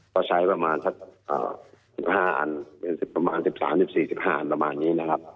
ก็ใช้ประมาณสัก๑๕อันประมาณ๑๓๑๔๑๕อันประมาณนี้นะครับ